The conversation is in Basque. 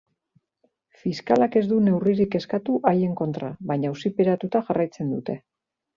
Fiskalak ez du neurririk eskatu haien kontra, baina auziperatuta jarraitzen dute.